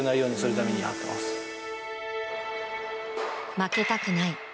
負けたくない。